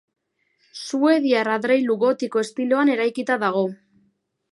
Suediar adreilu gotiko estiloan eraikita dago.